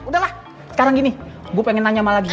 udahlah sekarang gini gua pengen nanya ma lagi